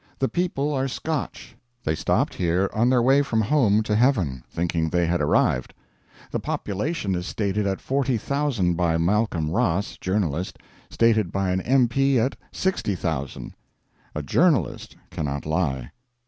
The people are Scotch. They stopped here on their way from home to heaven thinking they had arrived. The population is stated at 40,000, by Malcolm Ross, journalist; stated by an M. P. at 60,000. A journalist cannot lie.